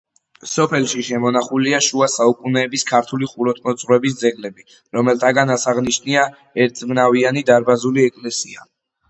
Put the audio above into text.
სოფელში შემონახულია შუა საუკუნეების ქართული ხუროთმოძღვრების ძეგლები, რომელთაგან აღსანიშნავია ერთნავიანი დარბაზული ეკლესია.